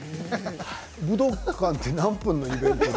武道館って何分のイベント？